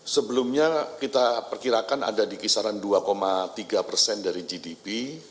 sebelumnya kita perkirakan ada di kisaran dua tiga persen dari gdp